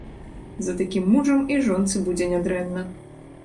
За такім мужам і жонцы будзе нядрэнна.